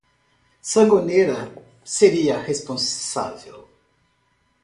Sangonera seria responsável.